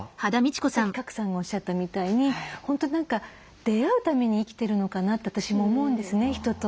さっき賀来さんがおっしゃったみたいに本当何か出会うために生きてるのかなと私も思うんですね人と。